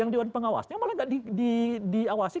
yang dewan pengawasnya malah tidak diawasi